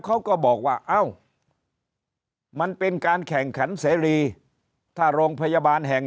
เขาก็บอกว่าเอ้ามันเป็นการแข่งขันเสรีถ้าโรงพยาบาลแห่ง